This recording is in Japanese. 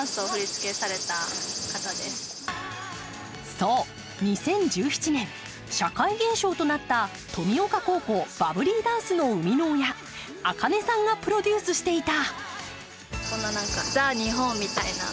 そう、２０１７年社会現象となった登美丘高校、バブリーダンスの生みの親ａｋａｎｅさんがプロデュースしていた。